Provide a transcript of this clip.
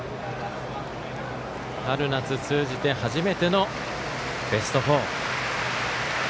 春夏通じて初めてのベスト４。